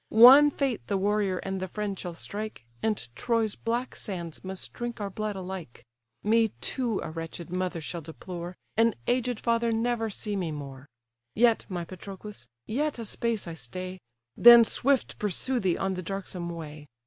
One fate the warrior and the friend shall strike, And Troy's black sands must drink our blood alike: Me too a wretched mother shall deplore, An aged father never see me more! Yet, my Patroclus! yet a space I stay, Then swift pursue thee on the darksome way.